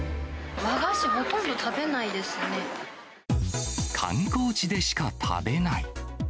和菓子、ほとんど食べないで観光地でしか食べない。